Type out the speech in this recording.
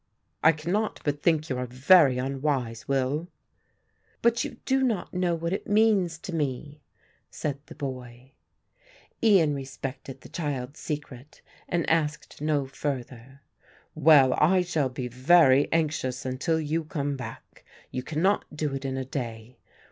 "I cannot but think you are very unwise, Will." "But you do not know what it means to me," said the boy. Ian respected the child's secret and asked no further. "Well, I shall be very anxious until you come back; you cannot do it in a day.